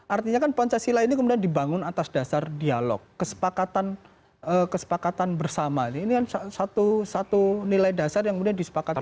artinya kan pancasila ini kemudian dibangun atas dasar dialog kesepakatan bersama ini kan satu nilai dasar yang kemudian disepakati